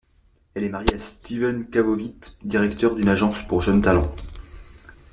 Elle est mariée à Steven Kavovit, directeur d'une agence pour jeunes talents.